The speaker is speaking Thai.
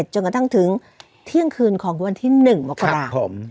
จนกระทั่งถึงเที่ยงคืนของวันที่๑มกราคม